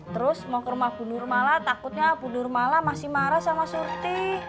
terus mau ke rumah bu nurmala takutnya bu nurmala masih marah sama surti